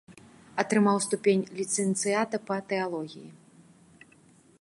Атрымаў ступень ліцэнцыята па тэалогіі.